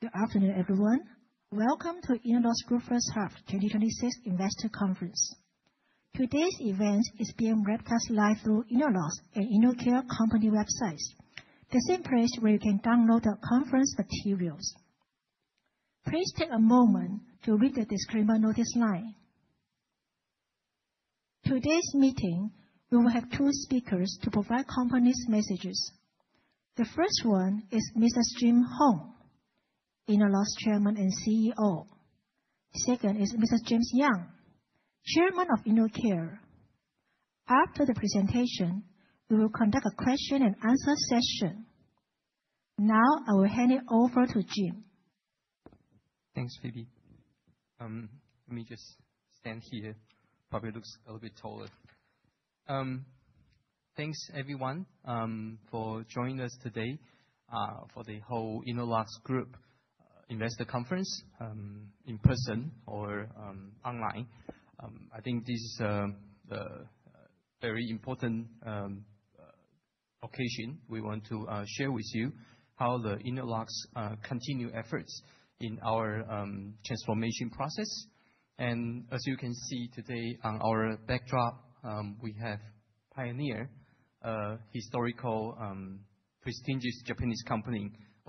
Good afternoon, everyone. Welcome to Innolux Group's first half 2026 Investor Conference. Today's event is being webcast live through Innolux and InnoCare company websites, the same place where you can download our conference materials. Please take a moment to read the disclaimer notice online. Today's meeting, we will have two speakers to provide company's messages. The first one is Mr. Jin-Yang Hung, Chairman and CEO, Innolux. Second is Mr. James Yang, Chairman of InnoCare. After the presentation, we will conduct a question-and-answer session. Now I will hand it over to Jin. Thanks, Phoebe. Let me just stand here. Probably looks a little bit taller. Thanks everyone for joining us today for the whole Innolux Group Investor Conference in person or online. I think this is a very important occasion. We want to share with you how the Innolux continue efforts in our transformation process. As you can see today on our backdrop, we have Pioneer, a historical prestigious Japanese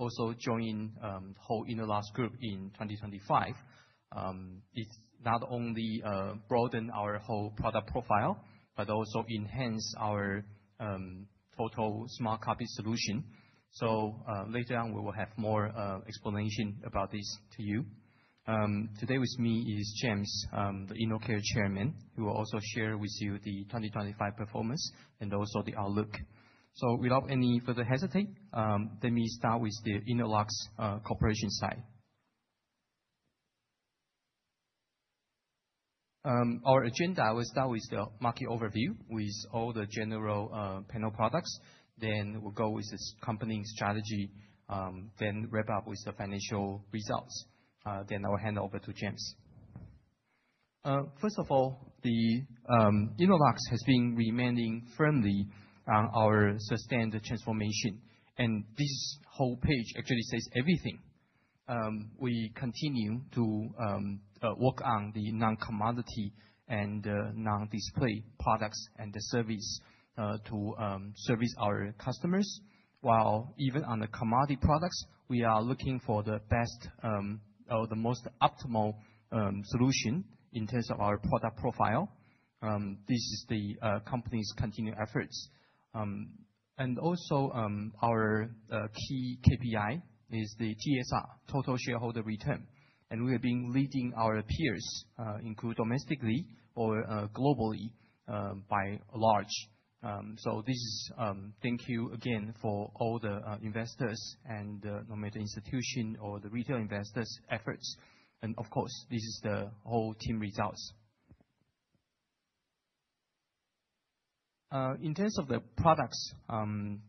company, also joining whole Innolux Group in 2025. It's not only broaden our whole product profile, but also enhance our total smart cockpit solution. Later on, we will have more explanation about this to you. Today with me is James, InnoCare's Chairman, who will also share with you the 2025 performance and also the outlook. Without any further hesitation, let me start with the Innolux Corporation side. Our agenda will start with the market overview, with all the general panel products. We'll go with the company strategy, then wrap up with the financial results. I'll hand over to James. First of all, the Innolux has been remaining firmly on our sustained transformation, and this whole page actually says everything. We continue to work on the non-commodity and non-display products and the service to service our customers, while even on the commodity products, we are looking for the best or the most optimal solution in terms of our product profile. This is the company's continued efforts. Also, our key KPI is the TSR, Total Shareholder Return. We have been leading our peers, including domestically or globally, by and large. Thank you again for all the investors and, no matter institutional or the retail investors' efforts. Of course, this is the whole team results. In terms of the products,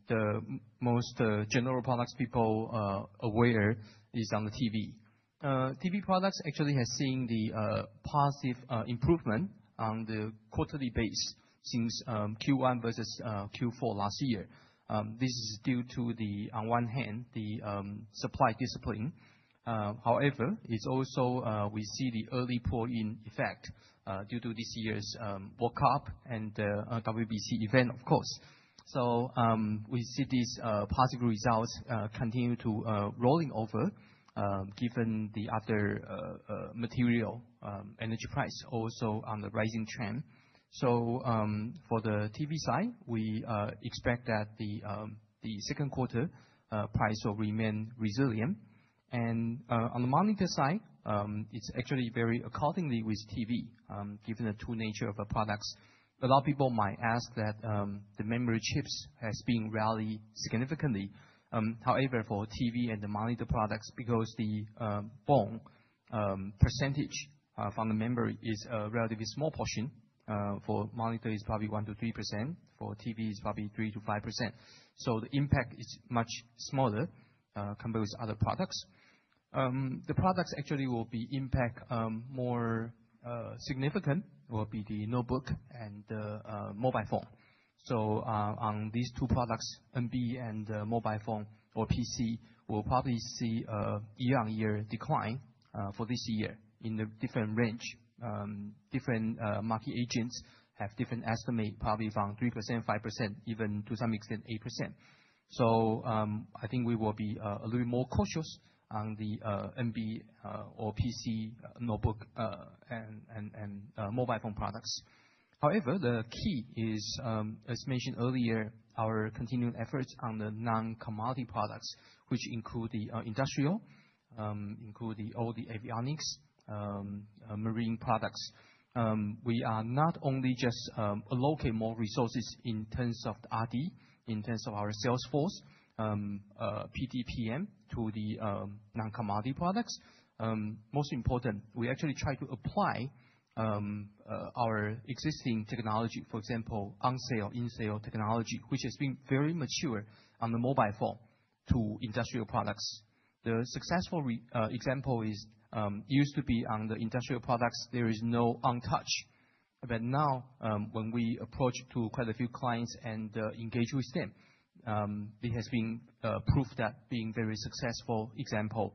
the most general products people are aware of is the TV. TV products actually has seen the positive improvement on a quarterly basis since Q1 versus Q4 last year. This is due to on one hand, the supply discipline. However, it's also we see the early pull-in effect due to this year's World Cup and WBC event, of course. We see these positive results continue to roll over given the other material energy price also on the rising trend. For the TV side, we expect that the second quarter price will remain resilient. On the monitor side, it's actually very accordingly with TV given the true nature of the products. A lot of people might ask that the memory chips has been rallied significantly. However, for TV and the monitor products, because the BOM percentage from the memory is a relatively small portion, for monitor is probably 1%-3%. For TV it's probably 3%-5%. The impact is much smaller compared with other products. The products actually will be impacted more significantly will be the notebook and the mobile phone. On these two products, NB and mobile phone or PC, we'll probably see a year-on-year decline for this year in the different range. Different analysts have different estimates, probably from 3%-5%, even to some extent 8%. I think we will be a little more cautious on the NB or PC notebook and mobile phone products. However, the key is, as mentioned earlier, our continuing efforts on the non-commodity products, which include the industrial, all the avionics, marine products. We are not only just allocate more resources in terms of R&D, in terms of our sales force, PDPM to the non-commodity products. Most important, we actually try to apply our existing technology. For example, on-cell, in-cell technology, which has been very mature on the mobile phone to industrial products. The successful example is used to be on the industrial products there is no on-touch. Now, when we approach to quite a few clients and engage with them, it has been proved to be a very successful example.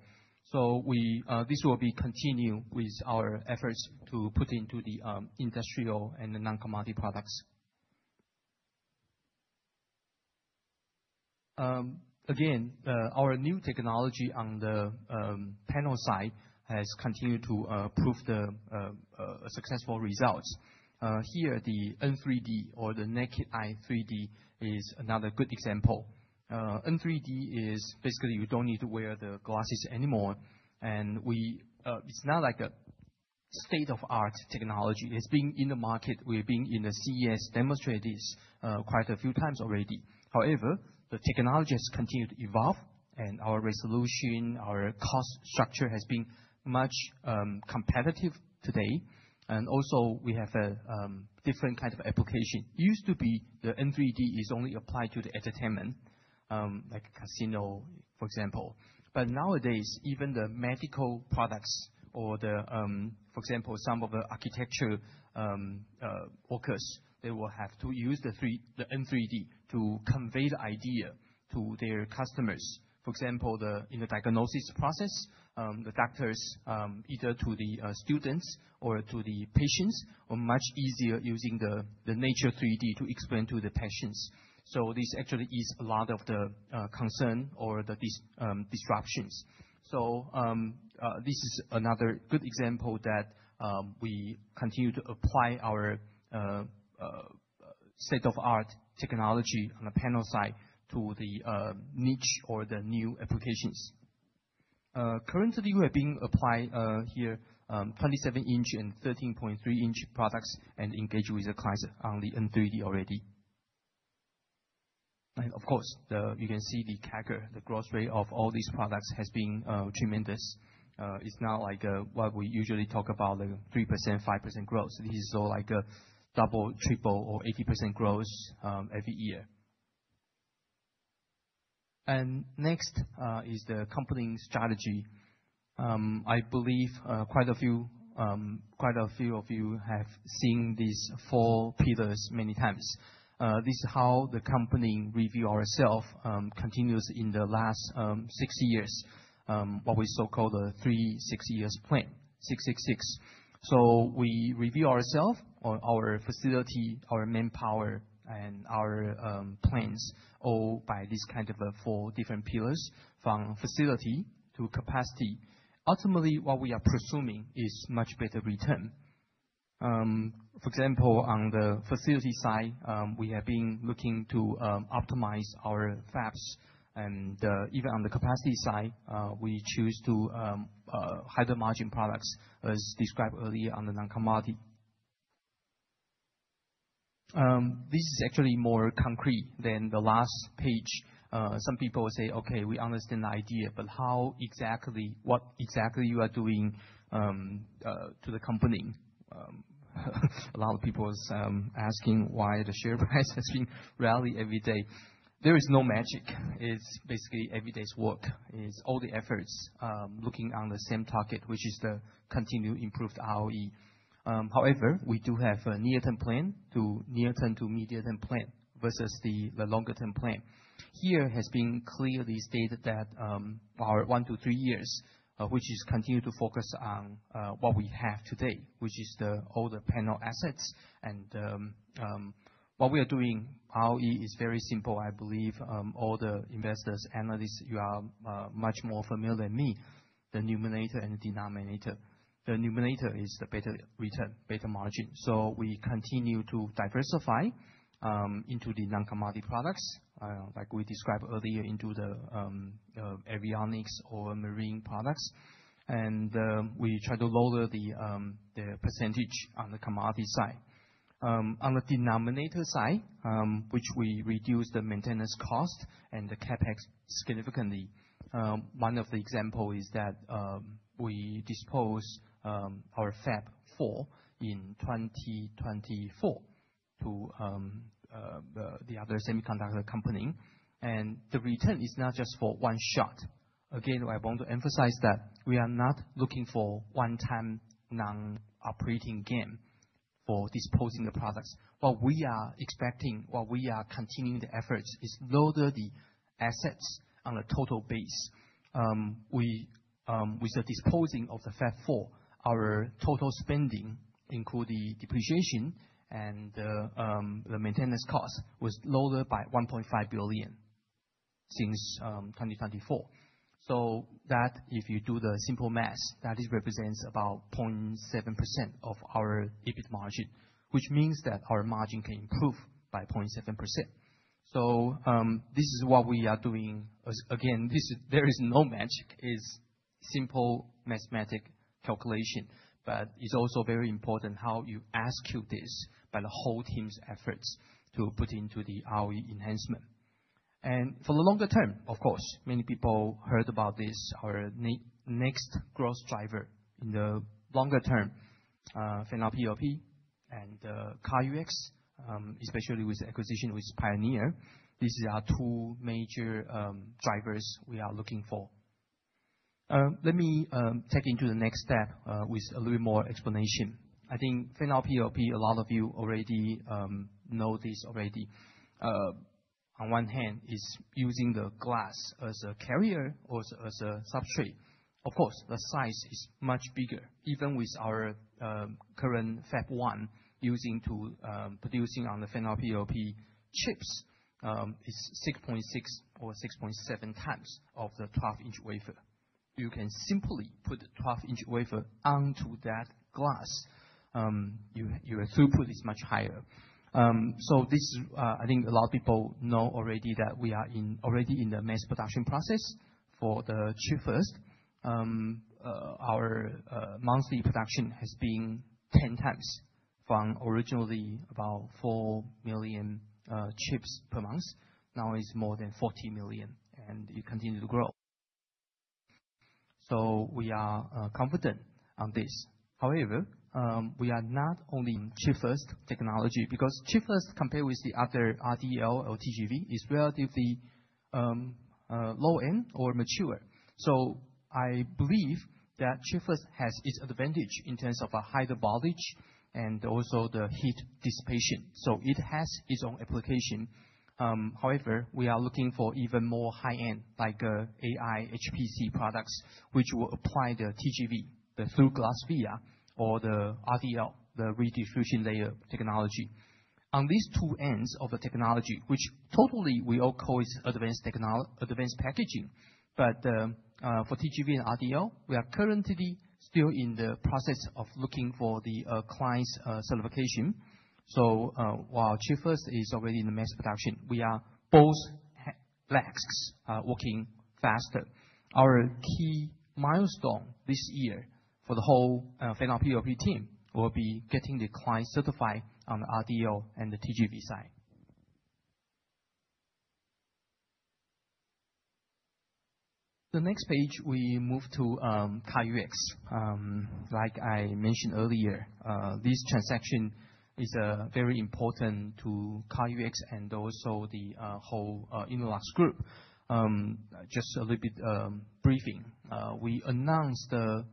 We will continue with our efforts to put into the industrial and the non-commodity products. Again, our new technology on the panel side has continued to prove the successful results. Here the N3D or the Naked-Eye 3D is another good example. N3D is basically you don't need to wear the glasses anymore. It's not like a state-of-the-art technology. It's been in the market. We've been in the CES, demonstrate this, quite a few times already. However, the technology has continued to evolve and our resolution, our cost structure has been much competitive today. Also, we have a different kind of application. Used to be the N3D is only applied to the entertainment, like casino, for example. Nowadays, even the medical products or, for example, some of the architects, they will have to use the N3D to convey the idea to their customers. For example, in the diagnosis process, the doctors, either to the students or to the patients, are much easier using the N3D to explain to the patients. This actually ease a lot of the concern or the disruptions. This is another good example that we continue to apply our state-of-the-art technology on the panel side to the niche or the new applications. Currently, we are being applied here 27-inch and 13.3-inch products and engage with the clients on the N3D already. Of course, you can see the CAGR, the growth rate of all these products has been tremendous. It's not like what we usually talk about, like a 3%, 5% growth. This is all like a double, triple or 80% growth every year. Next is the company strategy. I believe quite a few of you have seen these four pillars many times. This is how the company reviews itself, continues in the last six years, what we so-called the triple 6-year plan, 666. We review ourselves or our facility, our manpower, and our plans all by this kind of four different pillars from facility to capacity. Ultimately, what we are pursuing is much better return. For example, on the facility side, we have been looking to optimize our fabs. Even on the capacity side, we choose to higher-margin products, as described earlier on the non-commodity. This is actually more concrete than the last page. Some people say, "Okay, we understand the idea, but how exactly, what exactly you are doing to the company?" A lot of people is asking why the share price has been rally every day. There is no magic. It's basically every day's work. It's all the efforts looking on the same target, which is the continued improved ROE. However, we do have a near-term to medium-term plan versus the longer-term plan. Here has been clearly stated that our 1-3 years, which is continue to focus on what we have today, which is all the panel assets. What we are doing, ROE is very simple. I believe all the investors, analysts, you are much more familiar than me, the numerator and denominator. The numerator is the better return, better margin. We continue to diversify into the non-commodity products like we described earlier, into avionics or marine products. We try to lower the percentage on the commodity side. On the denominator side, which we reduce the maintenance cost and the CapEx significantly. One of the example is that we dispose our Fab 4 in 2024 to the other semiconductor company. The return is not just for one shot. Again, I want to emphasize that we are not looking for one-time non-operating gain for disposing the products. What we are expecting, what we are continuing the efforts is lower the assets on a total base. With the disposing of the Fab 4, our total spending, including depreciation and the maintenance cost, was lowered by NTD 1.5 billion since 2024. That if you do the simple math, that it represents about 0.7% of our EBIT margin, which means that our margin can improve by 0.7%. This is what we are doing. As again, there is no magic. It's simple mathematical calculation, but it's also very important how you execute this by the whole team's efforts to put into the ROE enhancement. For the longer term, of course, many people heard about this. Our next growth driver in the longer term, Fan-Out PLP and CarUX, especially with the acquisition with Pioneer. These are our two major drivers we are looking for. Let me take into the next step with a little more explanation. I think Fan-Out PLP, a lot of you already know this already. On one hand, it's using the glass as a carrier, or as a substrate. Of course, the size is much bigger. Even with our current fab one using to producing on the Fan-Out PLP chips is 6.6 or 6.7 times of the 12-inch wafer. You can simply put a 12-inch wafer onto that glass. Your throughput is much higher. This is, I think a lot of people know already that we are already in the mass production process for the Chip-first. Our monthly production has been 10 times from originally about 4 million chips per month. Now it's more than 40 million, and it continue to grow. We are confident on this. However, we are not only in Chip-first technology, because Chip-first compare with the other RDL or TGV is relatively low end or mature. I believe that Chip-first has its advantage in terms of a higher voltage and also the heat dissipation. It has its own application. However, we are looking for even more high-end, like, AI, HPC products, which will apply the TGV, the Through-Glass Via, or the RDL, the Redistribution Layer technology. On these two ends of the technology, which totally we all call it advanced packaging. For TGV and RDL, we are currently still in the process of looking for the client's certification. While Chip-first is already in the mass production, we are both legs working faster. Our key milestone this year for the whole Fan-Out PLP team will be getting the client certified on the RDL and the TGV side. The next page, we move to CarUX. Like I mentioned earlier, this transaction is a very important to CarUX and also the whole Innolux Group. Just a little bit briefing. We announced the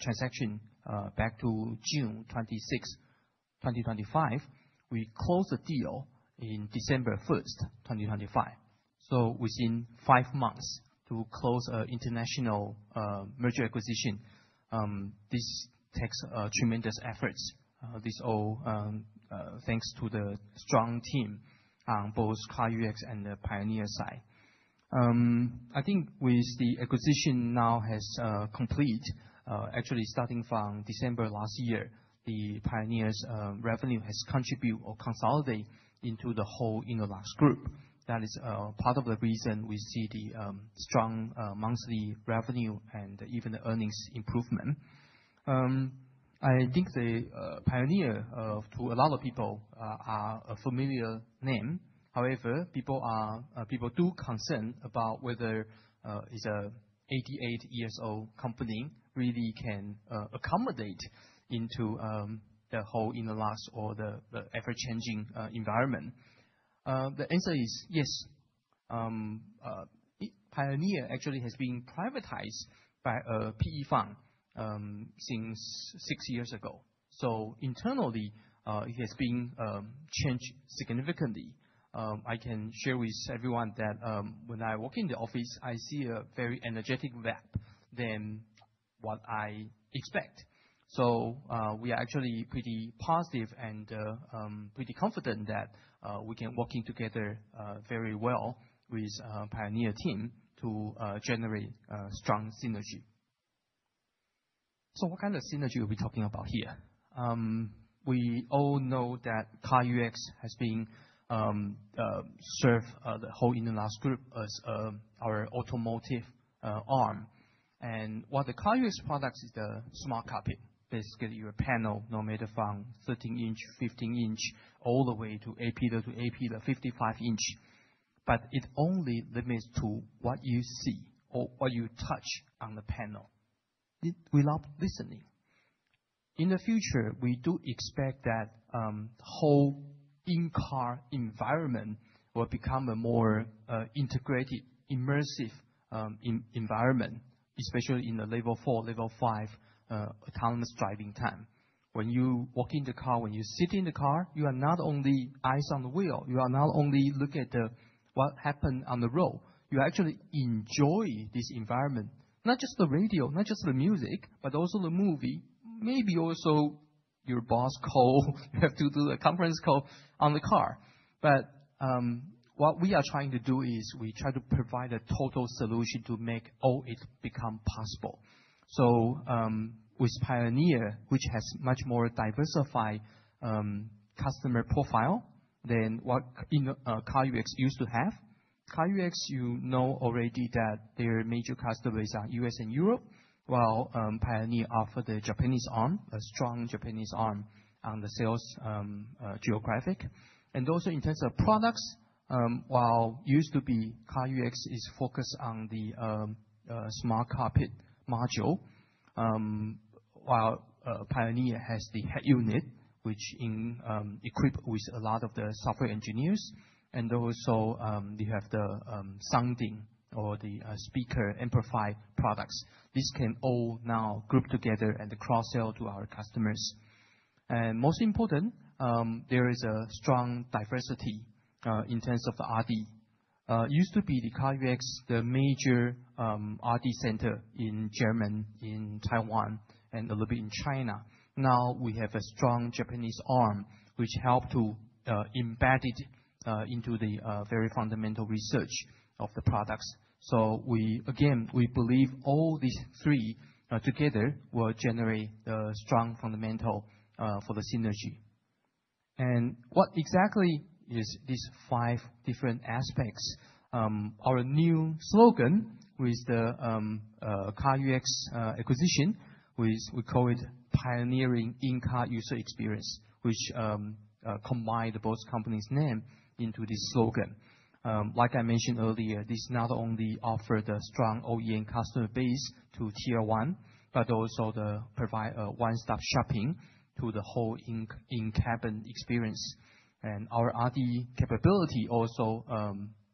transaction back to June 26th, 2025. We closed the deal in December 1st, 2025. Within five months to close a international merger acquisition, this takes tremendous efforts. This all thanks to the strong team on both CarUX and the Pioneer side. I think with the acquisition now has complete, actually starting from December last year, the Pioneer's revenue has contribute or consolidate into the whole Innolux group. That is part of the reason we see the strong monthly revenue and even the earnings improvement. I think the Pioneer to a lot of people are a familiar name. However, people do concern about whether is a 88 years old company really can accommodate into the whole Innolux or the ever-changing environment. The answer is yes. Pioneer actually has been privatized by a PE fund since six years ago. Internally, it has been changed significantly. I can share with everyone that, when I walk in the office, I see a very energetic vibe than what I expect. We are actually pretty positive and, pretty confident that, we can working together, very well with, Pioneer team to, generate a strong synergy. What kind of synergy are we talking about here? We all know that CarUX has been serving the whole Innolux Group as, our automotive, arm. What the CarUX products is the smart cockpit. Basically, your panel, no matter from 13-inch, 15-inch, all the way from A-pillar to A-pillar, the 55-inch, but it only limits to what you see or what you touch on the panel. In the future, we do expect that whole in-car environment will become a more integrated, immersive environment, especially in the Level 4, Level 5 autonomous driving time. When you walk in the car, when you sit in the car, you are not only eyes on the wheel, you are not only look at what happened on the road. You actually enjoy this environment. Not just the radio, not just the music, but also the movie. Maybe also your boss call, you have to do a conference call on the car. What we are trying to do is we try to provide a total solution to make all it become possible. With Pioneer, which has much more diversified customer profile than what, in CarUX, used to have. CarUX, you know already that their major customers are U.S. and Europe, while Pioneer offer the Japanese arm, a strong Japanese arm on the sales geographic. Also in terms of products, while used to be CarUX is focused on the smart cockpit module, Pioneer has the head unit, which is equipped with a lot of the software engineers, and also they have the sound and the speaker amplifier products. This can all now group together and cross-sell to our customers. Most important, there is a strong diversity in terms of the R&D. Used to be the CarUX, the major R&D center in Germany, in Taiwan, and a little bit in China. Now we have a strong Japanese arm, which help to embed it into the very fundamental research of the products. We again believe all these three together will generate a strong fundamental for the synergy. What exactly is these five different aspects? Our new slogan with the CarUX acquisition, which we call it 'Pioneering in-Car User eXperience,' which combine both companies' name into this slogan. Like I mentioned earlier, this not only offer the strong OEM customer base to tier one, but also the provide a one-stop shopping to the whole in-cabin experience. Our R&D capability also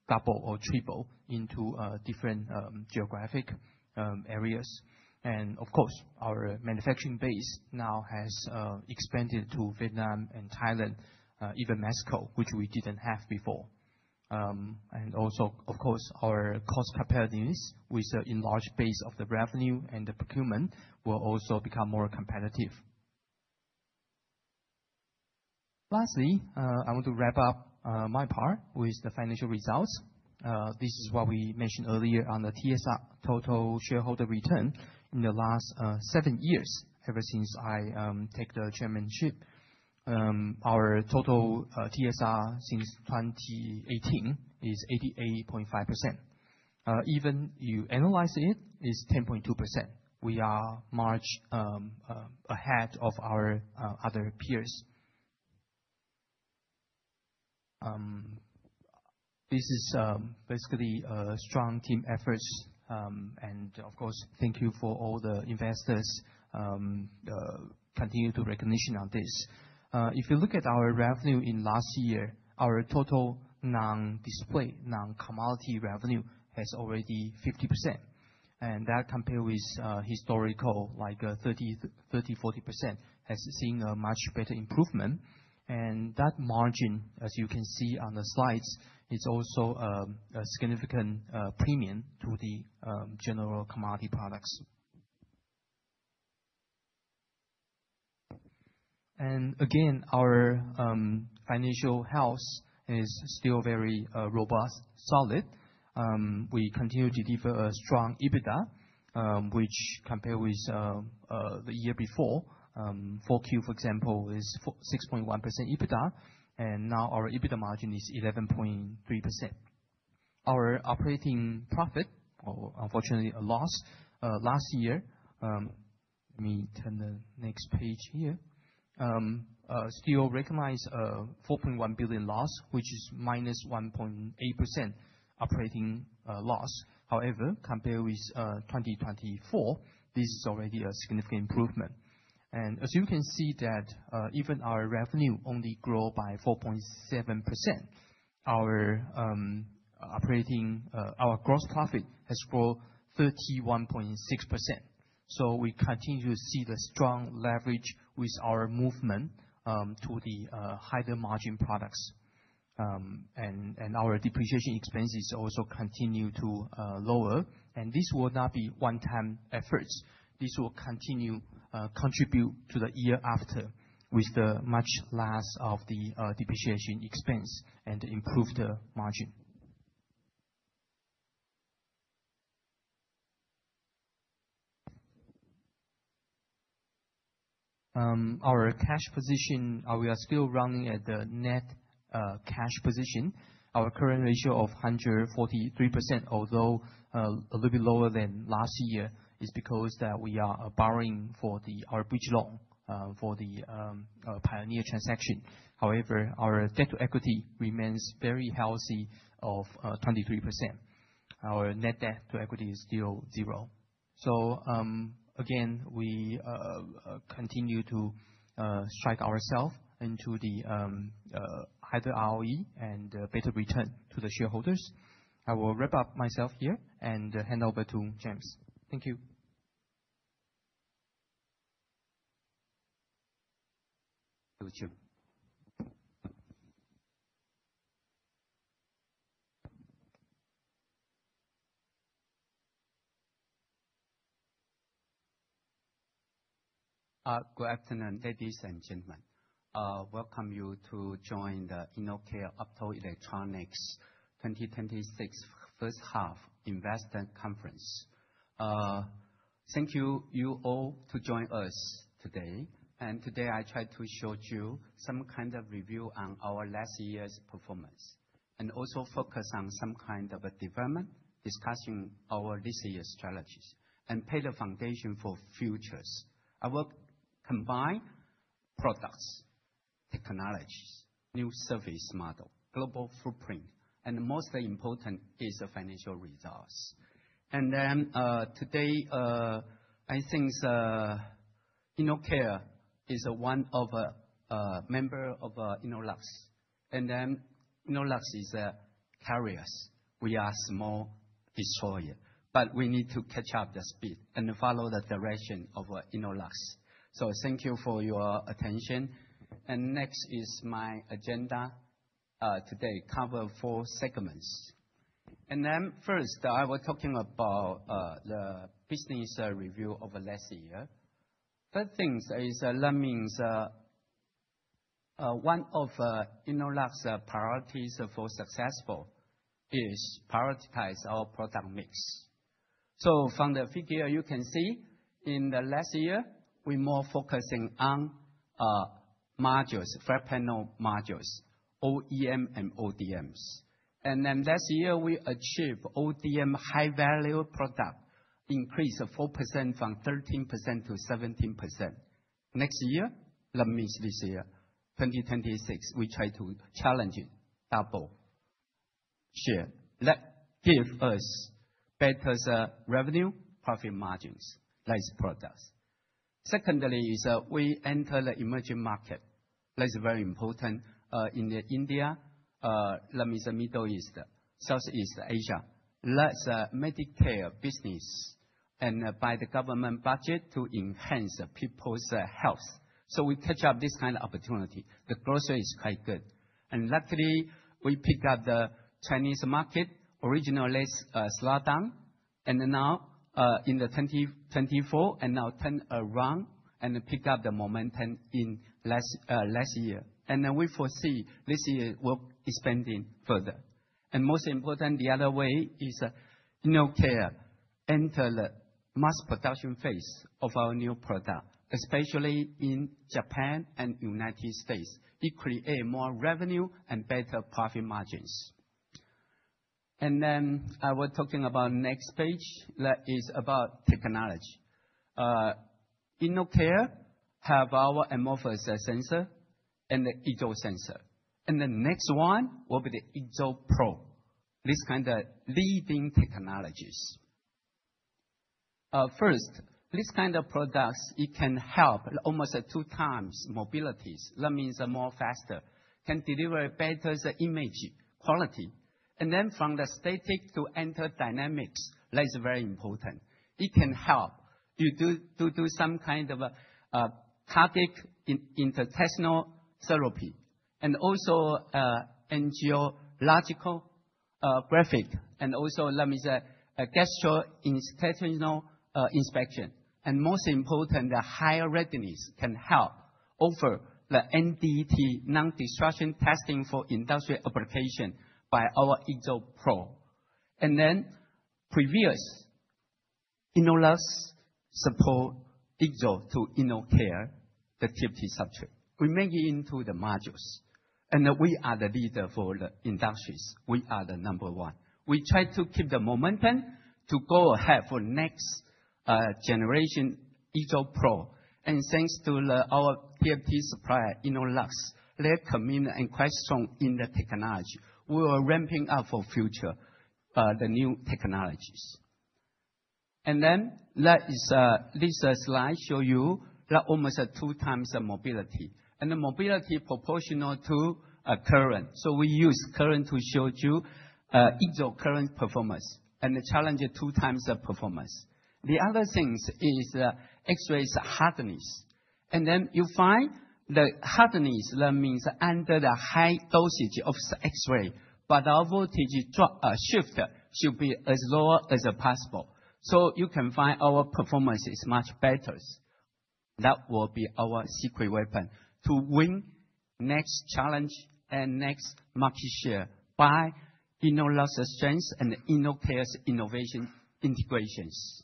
double or triple into different geographic areas. Of course, our manufacturing base now has expanded to Vietnam and Thailand, even Mexico, which we didn't have before. Also, of course, our cost competitiveness with the enlarged base of the revenue and the procurement will also become more competitive. Lastly, I want to wrap up my part with the financial results. This is what we mentioned earlier on the TSR, total shareholder return in the last seven years ever since I take the chairmanship. Our total TSR since 2018 is 88.5%. Even if you annualize it's 10.2%. We are much ahead of our other peers. This is basically a strong team efforts. Of course, thank you for all the investors continued recognition on this. If you look at our revenue in last year, our total non-display, non-commodity revenue has already 50%. That compares with historical like 30%-40%, has seen a much better improvement. That margin, as you can see on the slides, is also a significant premium to the general commodity products. Again, our financial health is still very robust, solid. We continue to deliver a strong EBITDA, which compares with the year before. 4Q, for example, was 6.1% EBITDA, and now our EBITDA margin is 11.3%. Our operating profit, or unfortunately a loss, last year, let me turn the next page here. Still recognize a NTD 4.1 billion loss, which is -1.8% operating loss. However, compared with 2024, this is already a significant improvement. As you can see that, even our revenue only grow by 4.7%, our operating gross profit has grown 31.6%. We continue to see the strong leverage with our movement to the higher margin products. Our depreciation expenses also continue to lower, and this will not be one-time efforts. This will continue contribute to the year after with the much less of the depreciation expense and improve the margin. Our cash position, we are still running at the net cash position. Our current ratio of 143%, although a little bit lower than last year, is because that we are borrowing for our bridge loan for the Pioneer transaction. However, our debt to equity remains very healthy of 23%. Our net debt to equity is still zero. Again, we continue to strike ourselves into the higher ROE and better return to the shareholders. I will wrap up myself here and hand over to James. Thank you. Over to you. Good afternoon, ladies and gentlemen. Welcome you to join the InnoCare Optoelectronics's first half 2026 Investor Conference. Thank you all to join us today. Today, I try to show you some kind of review on our last year's performance, and also focus on some kind of a development discussing our this year's strategies and lay the foundation for futures. I will combine products, technologies, new service model, global footprint, and most important is the financial results. Today, I think the InnoCare is one of a member of Innolux. Innolux is a carriers. We are a small disruptor, but we need to catch up the speed and follow the direction of Innolux. Thank you for your attention. Next is my agenda today. Cover four segments. First, I was talking about the business review of last year. That thing is, that means, one of Innolux's priorities for success is prioritize our product mix. From the figure you can see, in the last year, we're more focusing on modules, flat panel modules, OEM and ODMs. Last year, we achieved ODM high-value product increase of 4% from 13%-17%. Next year, that means this year, 2026, we try to challenge it, double share. That give us better revenue, profit margins, less products. Second, we enter the emerging market. That is very important. In India, that means the Middle East, Southeast Asia. That's medical care business, and by the government budget to enhance the people's health. We catch up this kind of opportunity. The growth rate is quite good. Lastly, we pick up the Chinese market. Originally, slowed down. Now, in 2024 and now turn around and pick up the momentum in last year. Then we foresee this year will expanding further. Most important, the other way is InnoCare enter the mass production phase of our new product, especially in Japan and United States. It create more revenue and better profit margins. Then I was talking about next page that is about technology. InnoCare have our amorphous sensor and the IGZO sensor. The next one will be the IGZOpro, this kind of leading technologies. First, this kind of products, it can help almost at 2 times mobilities. That means more faster, can deliver better the image quality. Then from the static to enter dynamics, that is very important. It can help to do some kind of cardiac interventional therapy and also angiographic, and also that means a gastrointestinal inspection. Most important, the higher readiness can help offer the NDT, non-destructive testing for industrial application by our IGZOpro. Previously, Innolux support IGZO to InnoCare, the TFT subject. We make it into the modules, and we are the leader for the industries. We are the number one. We try to keep the momentum to go ahead for next generation IGZOpro. Thanks to our TFT supplier, Innolux, they're committed and quite strong in the technology. We are ramping up for future the new technologies. This slide shows you that almost 2 times the mobility. The mobility proportional to a current. We use current to show you IGZO current performance and the challenge it two times the performance. The other things is the X-rays hardness. You find the hardness, that means under the high dosage of X-ray, but our voltage drop shift should be as low as possible. You can find our performance is much better. That will be our secret weapon to win next challenge and next market share by Innolux's strengths and InnoCare's innovation integrations.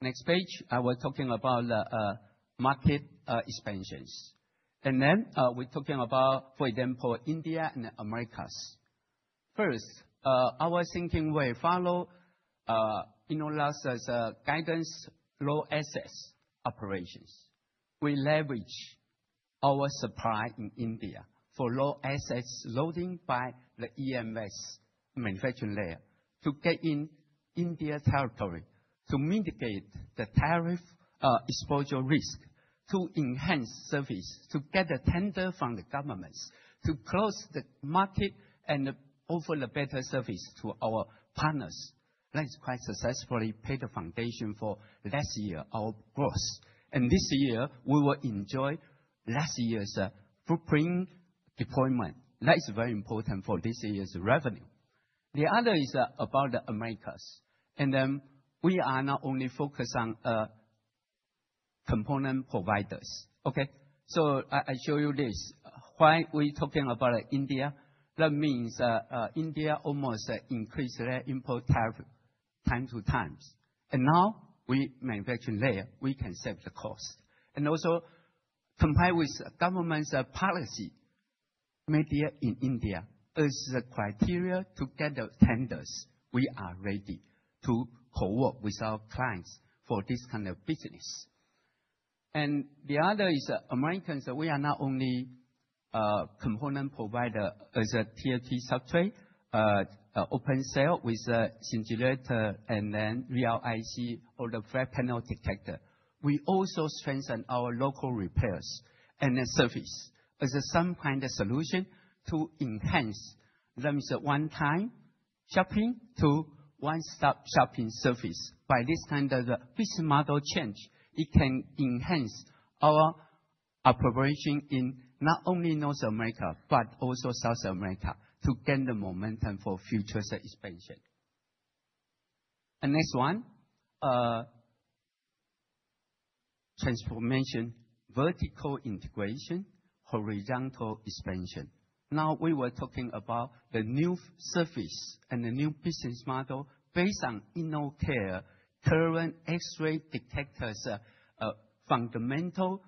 Next page, I was talking about the market expansions. We're talking about, for example, India and the Americas. First, our thinking we follow Innolux's guidance, low assets operations. We leverage our supply in India for low assets loading by the EMS manufacturing layer to get in India territory, to mitigate the tariff, exposure risk, to enhance service, to get a tender from the governments, to close the market and offer the better service to our partners. That is quite successfully laid the foundation for last year, our growth. This year, we will enjoy last year's footprint deployment. That is very important for this year's revenue. The other is about the Americas, and then we are not only focused on component providers. Okay? I show you this. Why are we talking about India? That means, India almost increased their import tariff ten times. And now we manufacturing layer, we can save the cost. And also comply with government's policy. Make in India is the criteria to get the tenders. We are ready to co-work with our clients for this kind of business. The other is Americans. We are not only a component provider as a TFT substrate, open cell with a scintillator and then ROIC or the flat panel detector. We also strengthen our local repairs and the service as some kind of solution to enhance, let me say, one time shopping to one-stop shopping service. By this time, there's a business model change. It can enhance our operation in not only North America, but also South America to gain the momentum for future expansion. Next one, transformation, vertical integration, horizontal expansion. Now we were talking about the new service and the new business model based on InnoCare current X-ray detectors, fundamental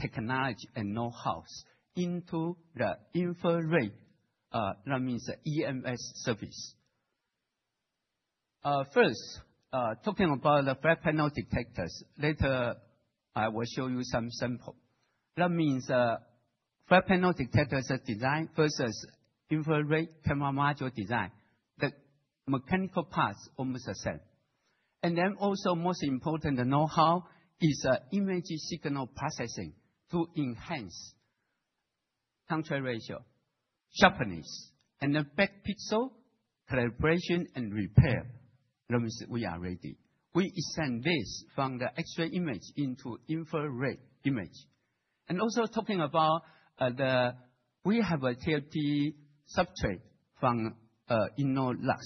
technology and know-hows into the infrared, that means EMS service. First, talking about the flat-panel detectors. Later, I will show you some sample. That means flat-panel detectors design versus infrared camera module design, the mechanical parts almost the same. Most important know-how is image signal processing to enhance contrast ratio, sharpness, and the bad pixel collaboration and repair. That means we are ready. We extend this from the X-ray image into infrared image. We have a TFT substrate from Innolux.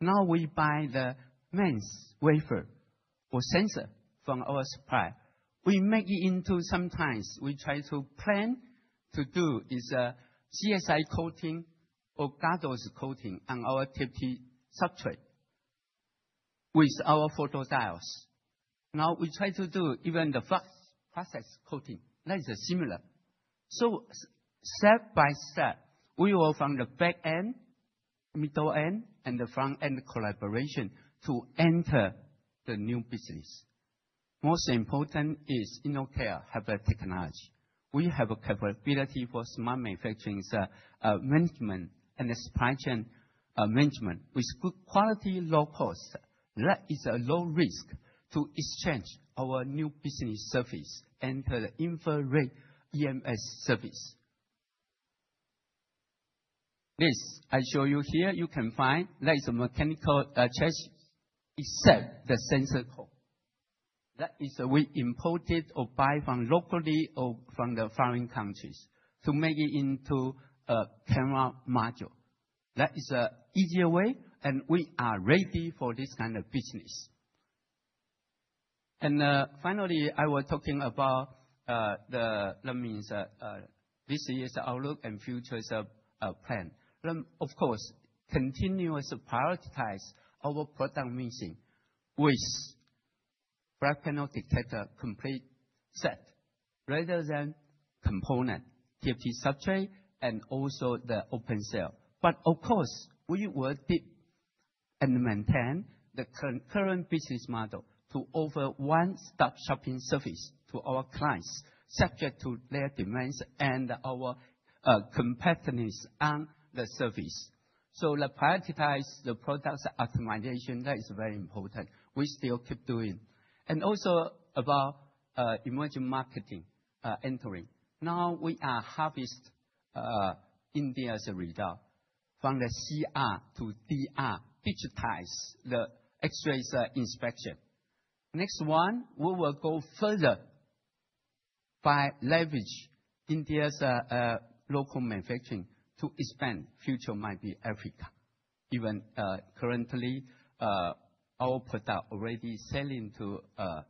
Now we buy the lens, wafer, or sensor from our supplier. Sometimes we try to plan to do CsI coating or gadolinium coating on our TFT substrate with our photodiodes. Now we try to do even the Faxitron's coating. That is similar. Step by step, we work from the back end, middle end, and the front end collaboration to enter the new business. Most important is InnoCare have a technology. We have a capability for smart manufacturing, management and supply chain, management with good quality, low cost. That is a low risk to exchange our new business service and the infrared EMS service. This I show you here, you can find that is a mechanical chassis except the sensor core. That is, we imported or buy from locally or from the foreign countries to make it into a camera module. That is, easier way, and we are ready for this kind of business. Finally, I was talking about, that means, this year's outlook and future's plan. Of course, continuously prioritize our product mix with flat-panel detector complete set rather than component, TFT substrate, and also the open cell. We will keep and maintain the current business model to offer one-stop shopping service to our clients, subject to their demands and our competitiveness on the service. Prioritize the products optimization, that is very important. We still keep doing. Also about emerging markets entry. Now we are harvesting India as a result, from the CR to DR, digitize the X-ray inspections. Next one, we will go further by leveraging India's local manufacturing to expand future might be Africa. Currently, our product already selling to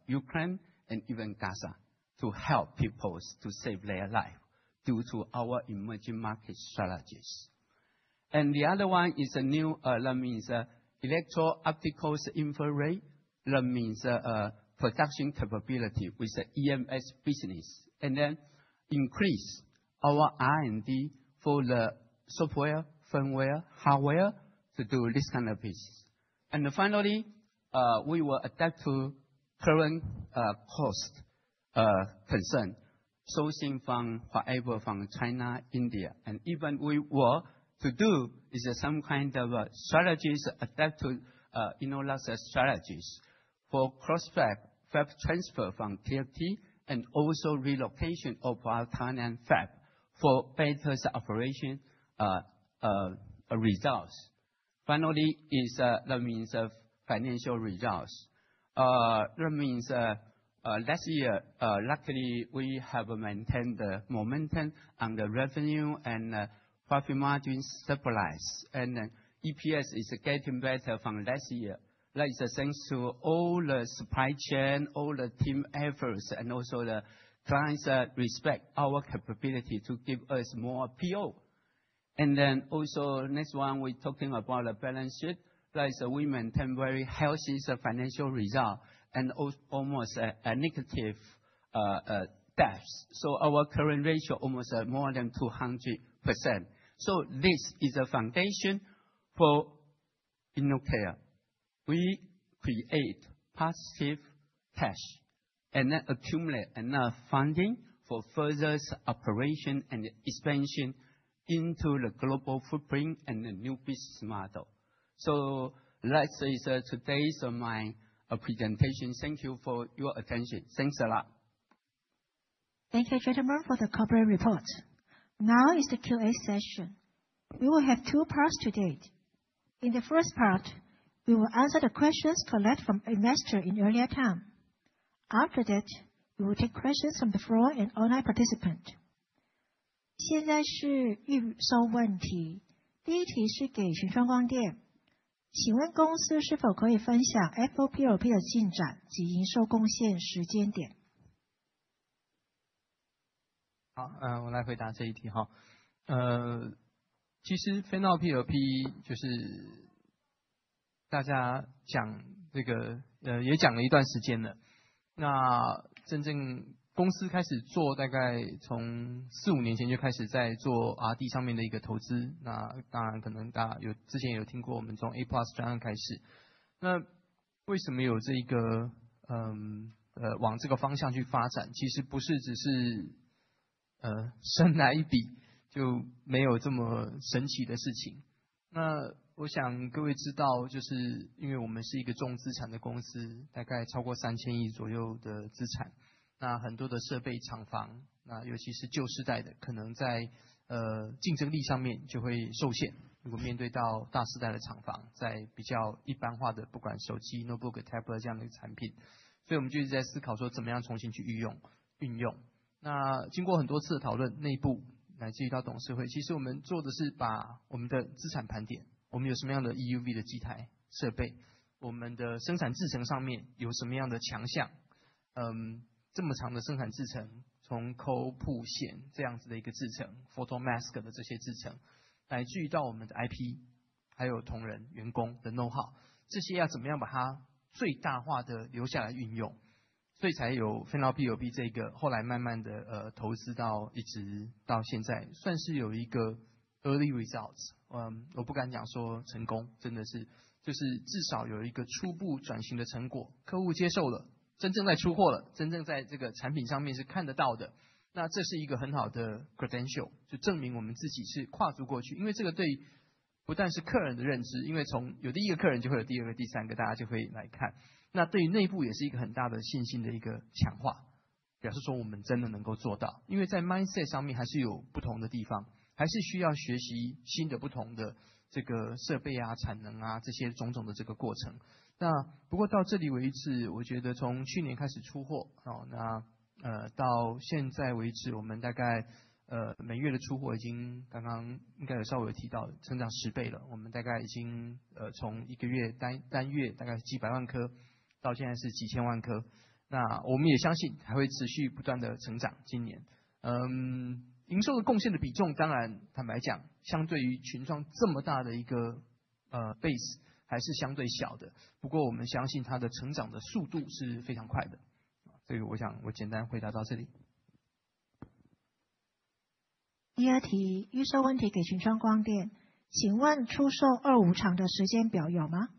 Ukraine and even Gaza to help people to save their lives due to our emerging market strategies. The other one is a new that means electro-optical infrared. That means production capability with the EMS business, and then increase our R&D for the software, firmware, hardware to do this kind of business. Finally, we will adapt to current cost concern, sourcing from wherever from China, India, and even we were to do is some kind of a strategies adapt to Innolux strategies for cross-fab transfer from TFT and also relocation of Tainan fab for better operation results. Finally is that means last year, luckily, we have maintained the momentum and the revenue and profit margins stabilized. EPS is getting better from last year. That is thanks to all the supply chain, all the team efforts, and also the clients respect our capability to give us more PO. Then also next one we're talking about a balance sheet. Like we maintain very healthy financial results and almost a negative debts. Our current ratio almost more than 200%. This is a foundation for InnoCare. We create positive cash and accumulate enough funding for further operation and expansion into the global footprint and the new business model. Last is today's my presentation. Thank you for your attention. Thanks a lot. Thank you gentlemen for the corporate report. Now is the Q&A session. We will have two parts today. In the first part, we will answer the questions collected from investors in earlier time. After that, we will take questions from the floor and online participants. 现在是预收问题，第一题是给群创光电，请问公司是否可以分享FOPLP的进展及营收贡献时间点。好，我来回答这一题。其实FOPLP就是大家讲这个也讲了一段时间了，那真正公司开始做，大概从四五年前就开始在做RD上面的一个投资，那当然可能大家有之前也有听过，我们从A+项目开始，那为什么有这一个，往这个方向去发展，其实不是只是生来一笔就没有这么神奇的事情。那我想各位知道，就是因为我们是一个重资产的公司，大概超过三千亿左右的资产，那很多的设备厂房，那尤其是旧世代的，可能在竞争力上面就会受限。如果面对到大世代的厂房，在比较一般化的，不管手机、notebook、tablet这样的产品，所以我们就是在思考说怎么样重新去运用。那经过很多次的讨论，内部乃至于到董事会，其实我们做的是把我们的资产盘点，我们有什么样的UV的机台设备，我们的生产制程上面有什么样的强项，这么长的生产制程，从铺线这样子的一个制程，photomask的这些制程，乃至于到我们的IP，还有同仁员工的know how，这些要怎么样把它最大化地留下来运用，所以才有FOPLP这一个，后来慢慢的投资到一直到现在，算是有一个early results，我不敢讲说成功，真的是，就是至少有一个初步转型的成果，客户接受了，真正在出货了，真正在这个产品上面是看得到的。那这是一个很好的credential，就证明我们自己是跨足过去，因为这个不但是客人的认知，因为从有第一个客人就会有第二个、第三个，大家就会来看，那对于内部也是一个很大的信心的一个强化，表示说我们真的能够做到，因为在mindset上面还是有不同的地方，还是需要学习新的不同的这个设备啊，产能啊，这些种种的这个过程。那不过到这里为止，我觉得从去年开始出货，那到现在为止，我们大概每月的出货已经刚刚应该有稍微提到增长十倍了，我们大概已经从一个月单月大概是几百万颗，到现在是几千万颗，那我们也相信还会持续不断地成长今年。营收的贡献的比重，当然坦白讲，相对于群创这么大的一个base，还是相对小的，不过我们相信它的成长的速度是非常快的。这个我想我简单回答到这里。第二題，預售問題給群創光電，請問出售二、五廠的時間表有嗎？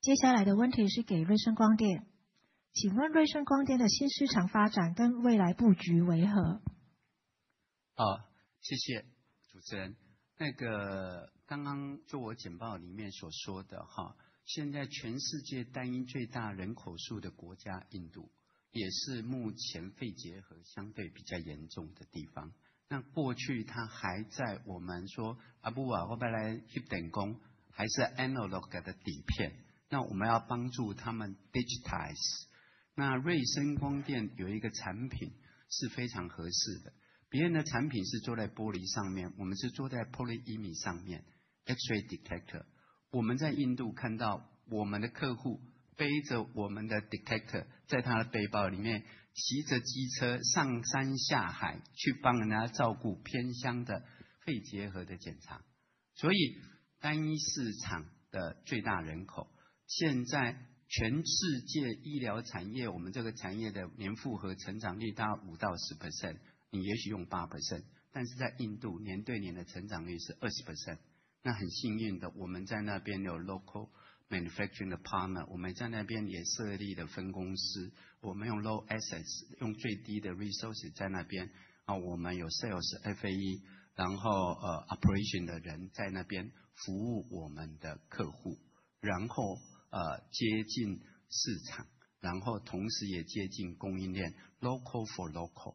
接下來的問題是給群創光電，請問群創光電的新市場發展跟未來布局為何？ 好，谢谢主持人。刚刚就我简报里面所说的，现在全世界单一最大人口数的国家印度，也是目前肺结核相对比较严重的地方，那过去它还在我们说，不然要不要来去用电工，还是analog的底片，那我们要帮助他们digitized。那InnoCare光电有一个产品是非常合适的，别人的产品是做在玻璃上面，我们是做在polyimide上面，X-ray detector。我们在印度看到我们的客户背着我们的detector，在他的背包里面，骑着机车上山下海，去帮人家照顾偏乡的肺结核的检查。所以单一市场的最大人口，现在全世界医疗产业，我们这个产业的年复合成长率大概5%到10%，你也许用8%，但是在印度年对年的成长率是20%。那很幸运的，我们在那边有local manufacturing partner，我们在那边也设立了分公司，我们用low assets，用最低的resource在那边，我们有sales FAE，然后operation的人在那边服务我们的客户，然后接近市场，同时也接近供应链，local for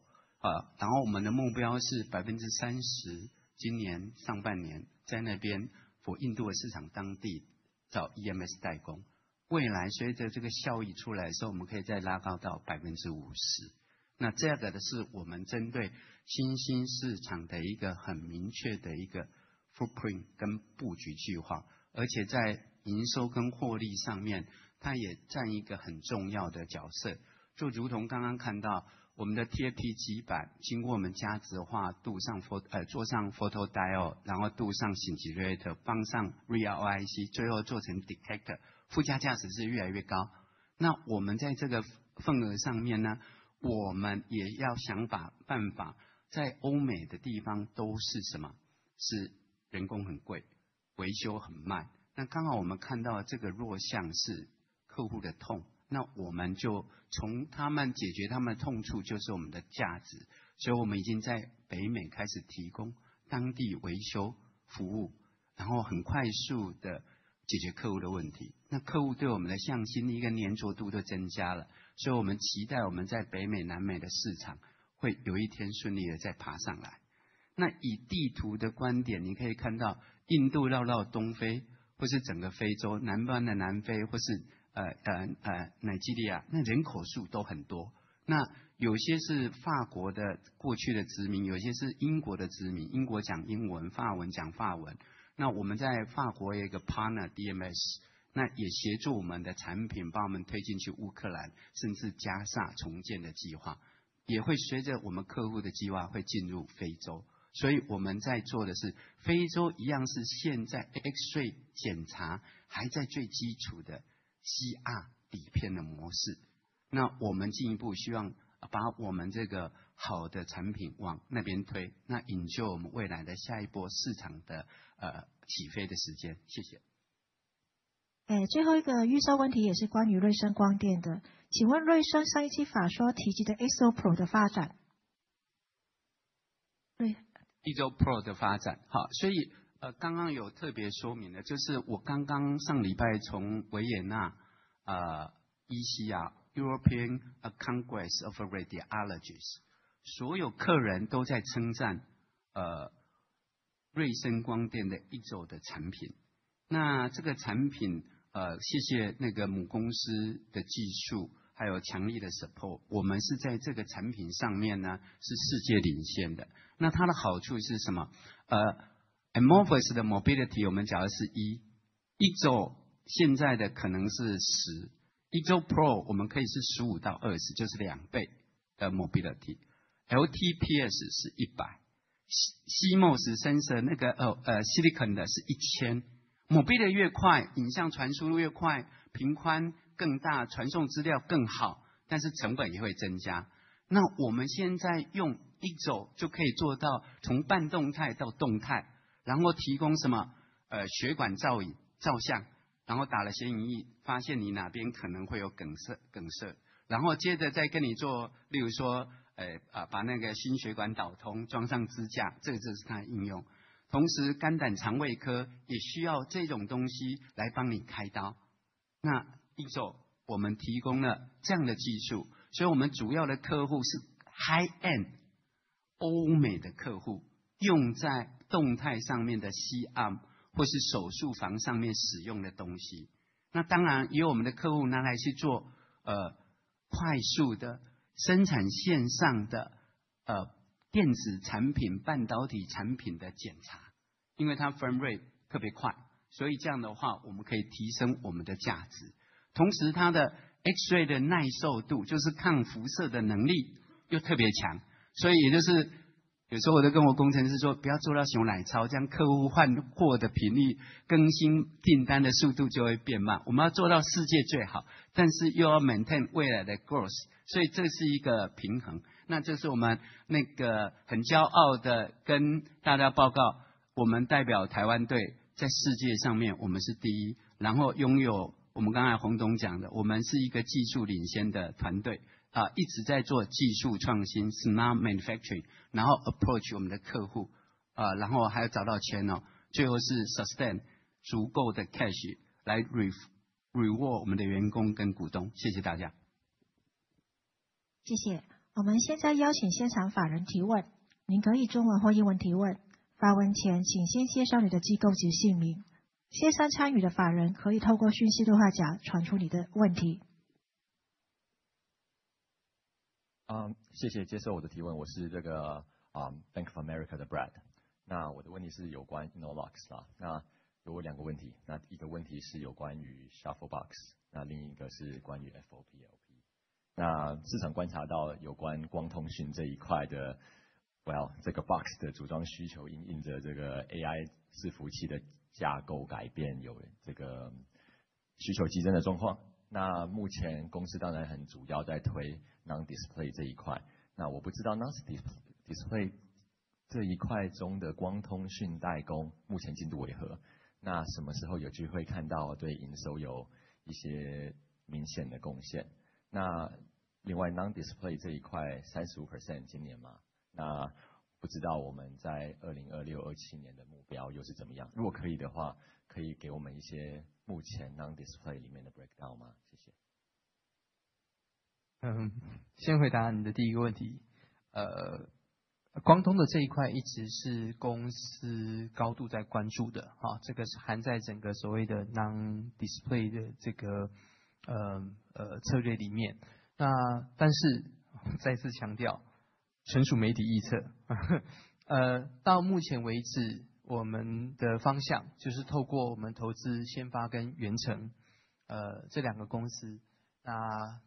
local。然后我们的目标是30%，今年上半年在那边for印度的市场当地找EMS代工，未来随着这个效益出来的时候，我们可以再拉高到50%。那这个是我们针对新兴市场的一个很明确的footprint跟布局计划，而且在营收跟获利上面，它也占一个很重要的角色。就如同刚刚看到我们的TFT基板，经过我们价值化，做上photodiode，然后镀上zinc IGZOpro的发展。刚刚有特别说明的，就是我上礼拜从维也纳，ECR, European Congress of Radiology，所有客人都在称赞瑞伸光电的IGZO的产品。那这个产品，谢谢母公司的技术，还有强力的support，我们是在这个产品上面是世界领先的。那它的好处是什么？amorphous的mobility我们假如是1，IGZO现在的可能是10，IGZOpro我们可以是15到20，就是两倍的mobility。LTPS是100，CMOS sensor，silicon的是1000。Mobility越快，影像传输越快，频宽更大，传送资料更好，但是成本也会增加。那我们现在用IGZO就可以做到从半动态到动态。然后提供什么？血管造影照相，然后打了显影液，发现你哪边可能会有梗塞，然后接着再跟你做，例如说，把那个心血管导通装上支架，这个就是它的应用。同时肝胆肠胃科也需要这种东西来帮你开刀。那我们提供了这样的技术，所以我们主要的客户是high-end欧美的客户，用在动态上面的C-arm或是手术房上面使用的东西。那当然也有我们的客户拿来去做快速的生产线上的电子产品、半导体产品的检查，因为它frame rate特别快，所以这样的话我们可以提升我们的价值。同时它的X-ray的耐受度，就是抗辐射的能力又特别强。所以也就是有时候我就跟我工程师说，不要做到太差，这样客户换货的频率，更新订单的速度就会变慢。我们要做到世界最好，但是又要maintain未来的growth，所以这是一个平衡。那这是我们很骄傲地跟大家报告，我们代表台湾队，在世界上面我们是第一。然后拥有我们刚才洪總讲的，我们是一个技术领先的团队，一直在做技术创新，smart manufacturing，然后approach我们的客户，然后还有找到channel，最后是sustain足够的cash来re-reward我们的员工跟股东。谢谢大家。謝謝。我們現在邀請現場法人提問，您可以以中文或英文提問。發問前請先介紹你的機構及姓名。線上參與的法人可以透過訊息對話框傳出你的問題。谢谢接受我的提问，我是Bank of America的Brad。那我的问题是有关Innolux啦。那我有两个问题，那一个问题是有关于Shuffle Box，那另一个是关于FOPLP。那市场观察到有关光通信这一块的，这个box的组装需求，因应着这个AI服务器的架构改变，有这个需求激增的状况。那目前公司当然很主要在推non-display这一块，那我不知道non-display这一块中的光通讯代工目前进度为何，那什么时候有机会看到对营收有一些明显的贡献？那另外non-display这一块，35%，今年嘛，那不知道我们在2026、27年的目标又是怎么样，如果可以的话，可以给我们一些目前non-display里面的breakdown吗？谢谢。先回答你的第一个问题。光通这一块一直是公司高度在关注的，这个是含在整个所谓的non-display的策略里面。但是再次强调，纯属媒体臆测。到目前为止，我们的方向就是透过我们投资先發跟元澄，这两个公司，在这个上面去做一些前期的探索跟观察，还没有任何大家讲的这么的情况。有任何具体的时候，不管是CapEx需要，不管是客户上面，我们当然都会报到董事会，那也请各位，看有——如果有重讯发布的时候。另外您提到就是Fan-Out PLP这一块，或者说整个的non-display的占比，今年是35%，那我们期望就是说在整个六年的规划里面，在整体的666里面，从去年开始起算到未来，2030年能够达到non-display大概占一半。那請問目前以今年、去年來說，或者今年的話，這個non-display 35%，我們大概應該怎麼猜啊？因為我猜這個CarUX integrate進來，在non-display這邊應該也是 -占大多數。目前的話是占大多數。Non-display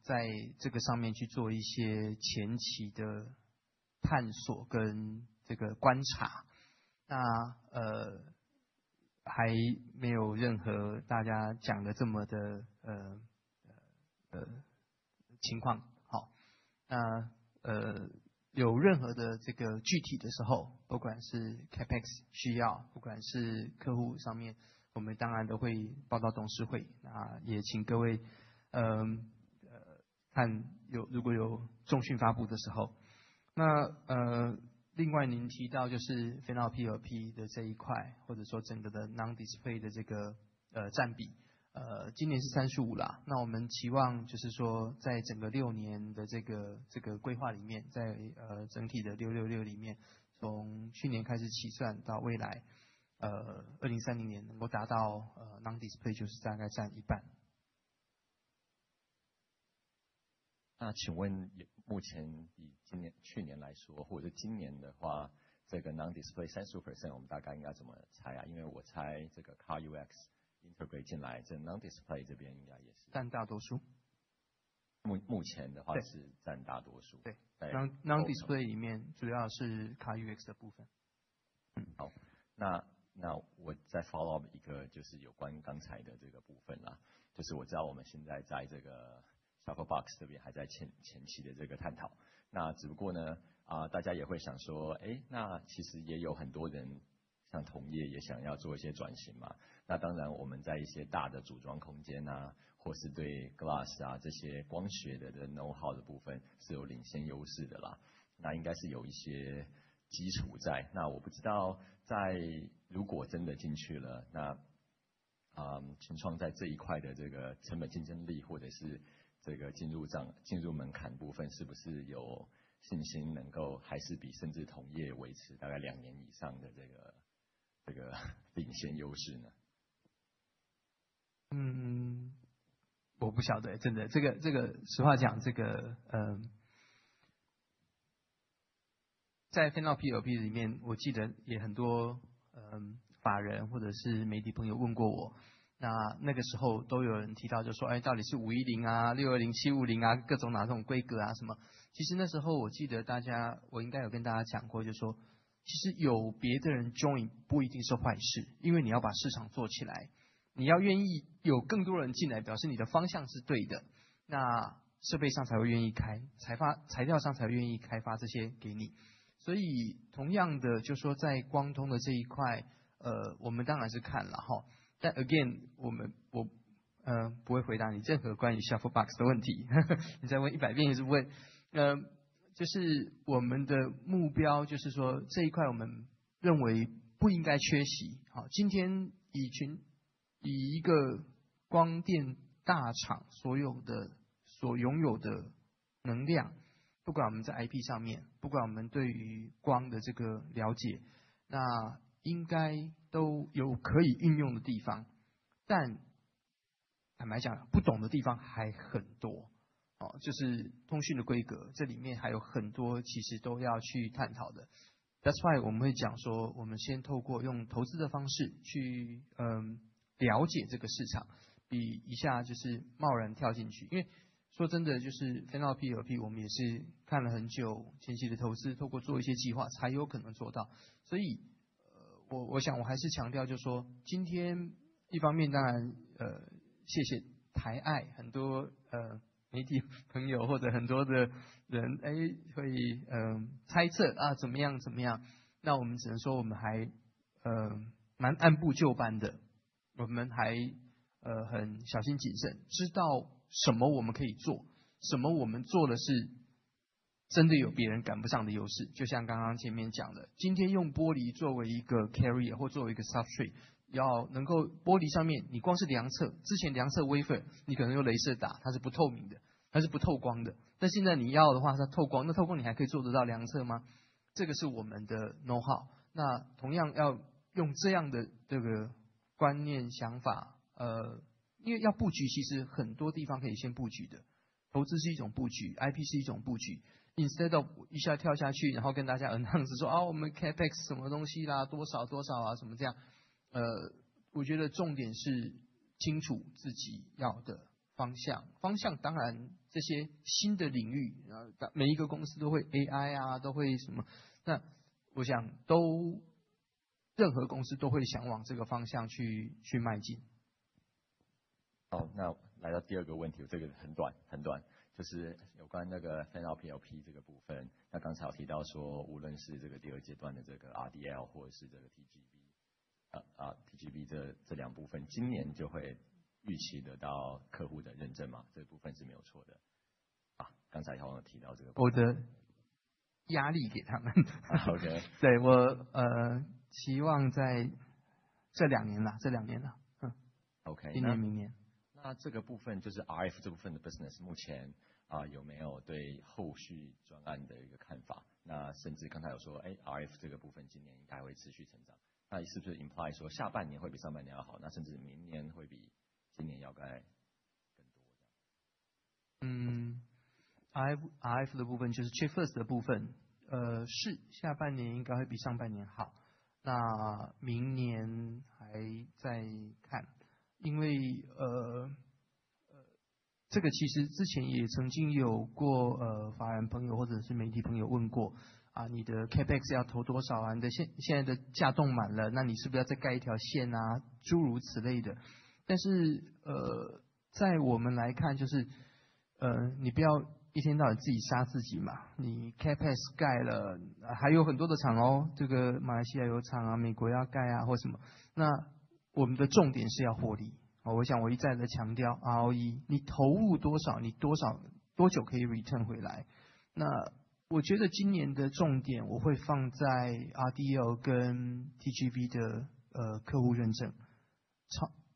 裡面主要是CarUX的部分。好，那我再 follow up 一個，就是有關剛才的這個部分啦，就是我知道我們現在在這個 Shuffle Box 這邊還在前期的這個探討。那只不過呢，大家也會想說，欸，那其實也有很多人，像同業也想要做一些轉型嘛，那當然我們在一些大的組裝空間啊，或是對 glass 啊，這些光學的 knowhow 的部分是有領先優勢的啦，那應該是有一些基礎在。那我不知道在如果真的進去了，群創在這一塊的這個成本競爭力，或者是這個進入門檻部分，是不是有信心能夠還是比甚至同業維持大概兩年以上的這個領先優勢呢？ 真的，实话讲... 在Fan-Out Box的问题。你再问一百遍也是不会。就是我们的目标，就是说这一块我们认为不应该缺席。好，今天已经以一个光电大厂所有的、所拥有的能量，不管我们在IP上面，不管我们对于光的这个了解，那应该都有可以运用的地方。但坦白讲，不懂的地方还很多，就是通讯的规格，这里面还有很多其实都要去探讨的。That's why我们会讲说，我们先透过用投资的方式去了解这个市场，比一下就是贸然跳进去。因为说真的，就是Fan-Out PLP，我们也是看了很久，前期的投资，透过做一些计划才有可能做到。所以我想我还是强调，就说今天一方面当然谢谢大家，很多媒体朋友或者很多的人，会猜测啊怎么样怎么样，那我们只能说我们还蛮按部就班的，我们还很小心谨慎，知道什么我们可以做，什么我们做了是真的有别人赶不上的优势。就像刚刚前面讲的，今天用玻璃作为一个carrier或作为一个substrate，要能够在玻璃上面，你光是量测，之前量测wafer，你可能用镭射打，它是不透明的，它是不透光的，但现在你要的话它透光，那透光你还可以做得到量测吗？这个是我们的know-how。那同样要用这样的这个观念、想法，因为要布局，其实很多地方可以先布局的，投资是一种布局，IP是一种布局。Instead 好，那來到第二個問題，這個很短，很短，就是有關那個Fan-Out PLP這個部分，那剛才有提到說，無論是這個第二階段的這個RDL或者是這個TGV，TGV這兩部分，今年就會預期得到客戶的認證嘛，這個部分是沒有錯的。剛才好像有提到這個部分。我再壓力給他們 OK。期望在這兩年啦，這兩年啦。OK。今年明年。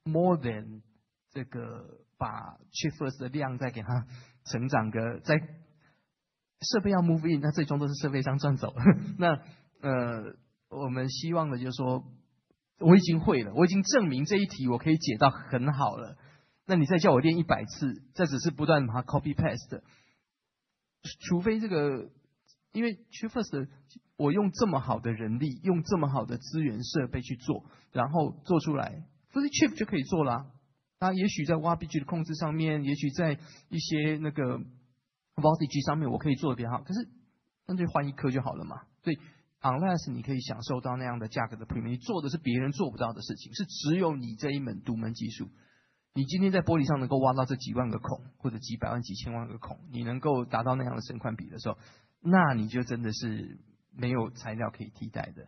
more than 这个，把 Chip-first 的量再给它成长，再...设备要 move in，那最终都是设备商赚走。那我们希望的就是说，我已经会了，我已经证明这一题我可以解到很好了，那你再叫我练一百次，这只是不断把它 copy paste。除非这个... 因为Chip-first，我用这么好的人力，用这么好的资源设备去做，然后做出来，不是chip就可以做了。那也许在Wafer的控制上面，也许在一些那个voltage上面我可以做得比较好，可是那就换一颗就好了嘛。所以unless你可以享受到那样的价格的premium，你做的是别人做不到的事情，是只有你这一门独门技术，你今天在玻璃上能够挖到这几万个孔，或者几百万几千万个孔，你能够达到那样的升宽比的时候，那你就真的是没有材料可以替代的。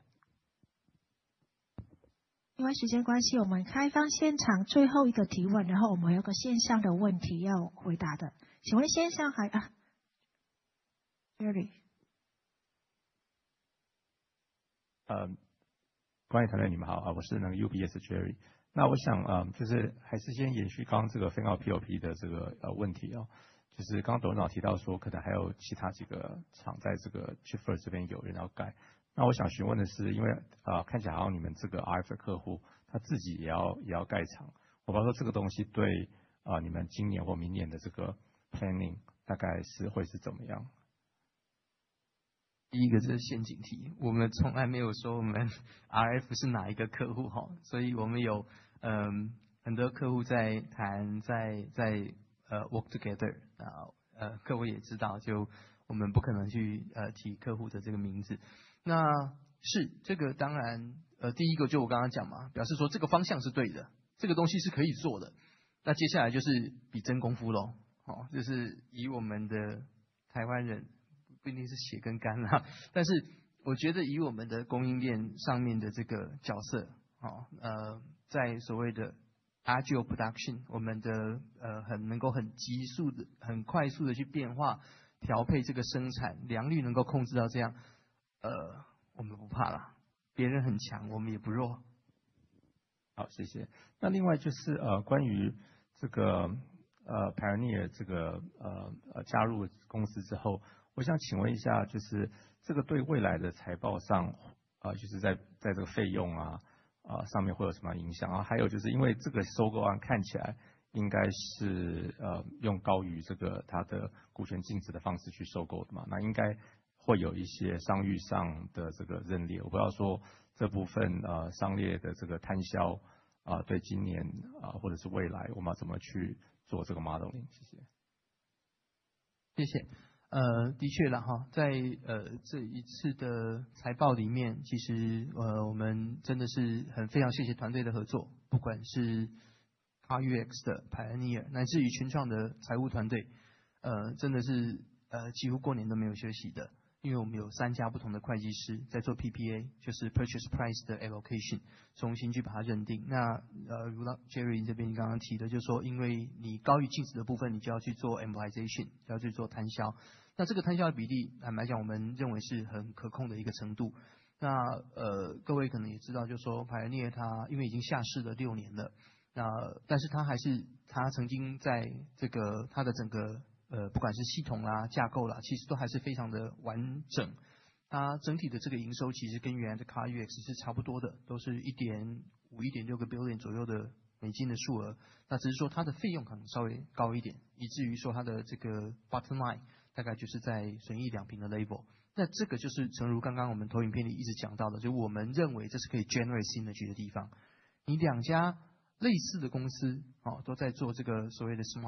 因为时间关系，我们开放现场最后一个提问，然后我们有一个线上的问题要回答的。请问线上还……啊，Jerry。你们好，我是UBS的Jerry，我想就是还是先延续刚刚这个Fan-Out PLP的问题。刚刚董座提到说可能还有其他几个厂在这个Chiplet这边有要盖，那我想询问的是，因为看起来好像你们这个RF的客户，他自己也要盖厂，我不知道这个东西对你们今年或明年的这个planning大概会是怎么样。第一个，这是陷阱题，我们从来没有说我们RF是哪一个客户，所以我们有很多客户在谈，在work together。各位也知道，我们不可能去提客户的这个名字。这个当然，第一个就我刚刚讲嘛，表示说这个方向是对的，这个东西是可以做的。那接下来就是比真功夫，就是以我们的台湾人，不一定是血跟肝啦。但是我觉得以我们的供应链上面的这个角色，在所谓的Agile production，我们很能够很急速地、很快速地去变化、调配这个生产，良率能够控制到这样，我们不怕啦，别人很强，我们也不弱。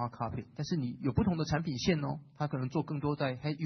cockpit，但是你有不同的产品线，它可能做更多在head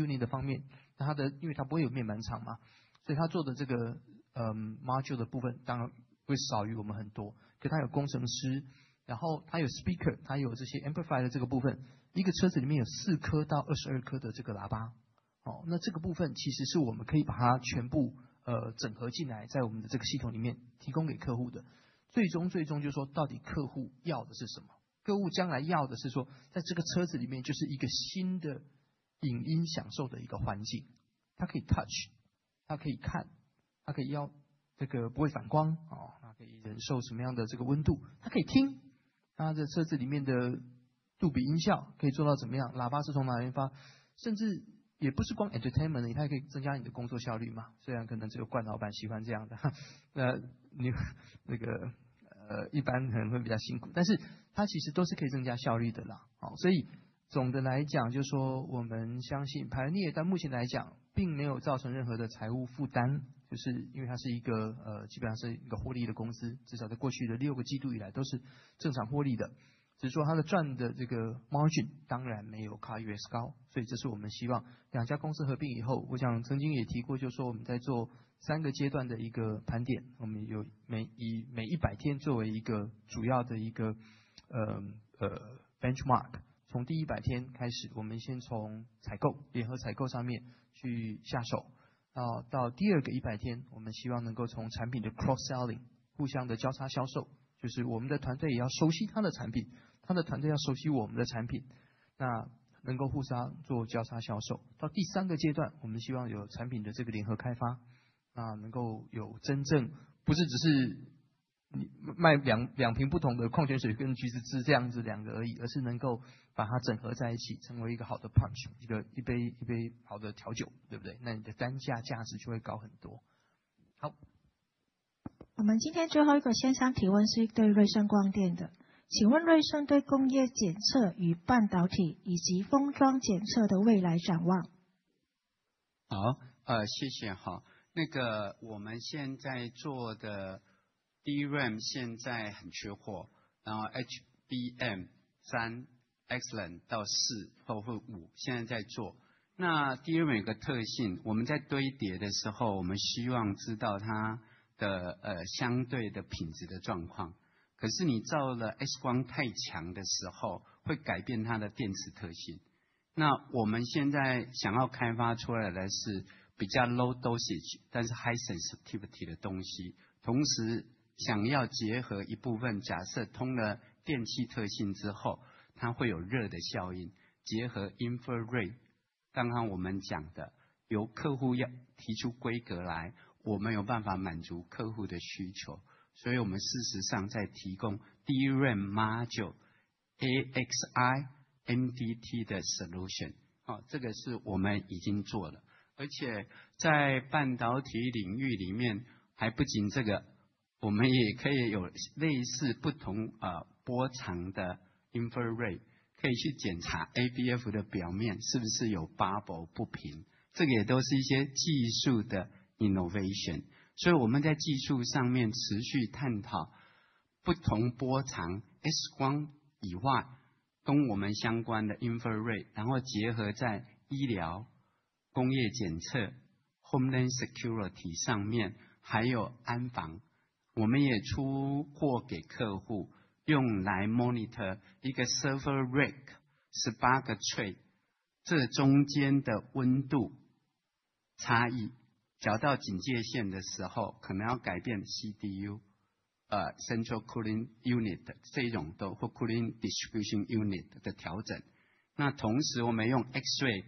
dosage，但是high sensitivity的东西，同时想要结合一部分，假设通了电气特性之后，它会有热的效应，结合infrared。刚刚我们讲的由客户提出规格来，我们有办法满足客户的需求，所以我们事实上在提供DRAM module AXI NDT的solution，这个是我们已经做了，而且在半导体领域里面还不仅这个，我们也可以有类似不同波长的infrared，可以去检查ABF的表面是不是有bubble不平，这个也都是一些技术的innovation。所以我们在技术上面持续探讨不同波长X光以外跟我们相关的infrared，然后结合在医疗、工业检测、homeland security上面，还有安防，我们也出货给客户，用来monitor一个server rack十八个tray，这中间的温度差异，调到警戒线的时候可能要改变CDU，cooling distribution unit的调整。那同时我们用X-ray来检查cold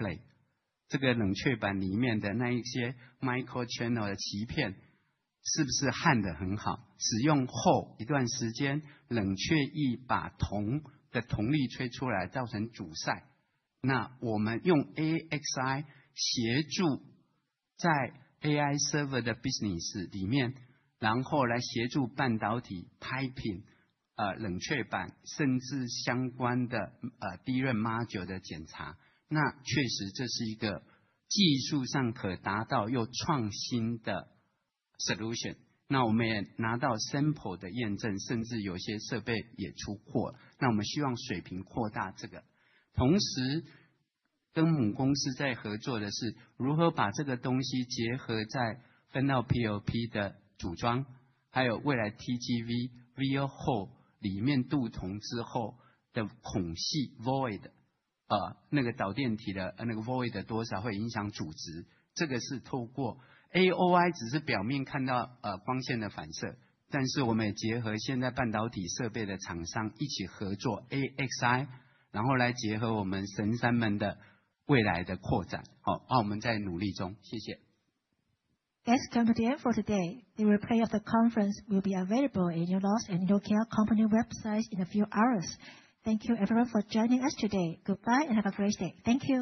plate，这个冷却板里面的那一些micro channel的鳍片是不是焊得很好，使用后一段时间冷却液把铜的铜绿吹出来，造成阻塞。那我们用AXI协助在AI server的business里面，然后来协助半导体piping冷却板，甚至相关的DRAM module的检查。那确实这是一个技术上可达到又创新的solution。那我们也拿到sample的验证，甚至有些设备也出货，那我们希望水平扩大这个。同时跟母公司在合作的是如何把这个东西结合在Fan-Out PLP的组装，还有未来TGV via That's come to the end for today. The replay of the conference will be available on Innolux's and local company websites in a few hours. Thank you everyone for joining us today. Goodbye and have a great day. Thank you.